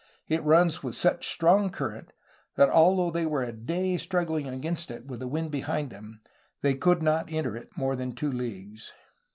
It runs with such a strong current that although they were a day struggling against it with the wind behind them they could not enter it more than two leagues.'